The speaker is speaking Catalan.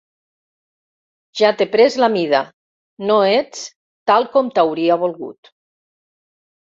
Ja t'he pres la mida, no ets tal com t'hauria volgut